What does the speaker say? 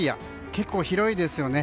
結構広いですよね。